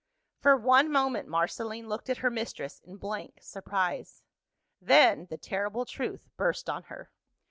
For one moment, Marceline looked at her mistress in blank surprise. Then, the terrible truth burst on her.